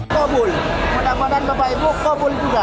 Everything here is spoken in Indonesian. kobul mudah mudahan bapak ibu kobul juga